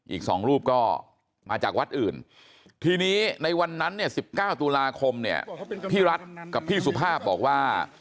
อีก๒รูปก็มาจากวัดอื่นทีนี้ในวันนั้นเนี่ย๑๙ตุลาคมเนี่ยพี่รัฐกับพี่สุภาพบอกว่า